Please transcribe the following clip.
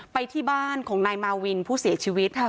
ไปที่บ้านของนายมาวินผู้เสียชีวิต